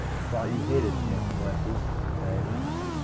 "Thought you hated snakes, Lefty," he said.